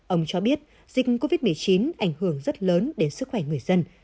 ông cho biết dịch covid một mươi chín ảnh hưởng rất lớn đến sức khỏe người dân